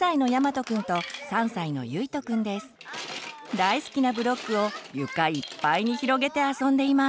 大好きなブロックを床いっぱいに広げて遊んでいます。